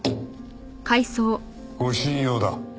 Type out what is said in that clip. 護身用だ。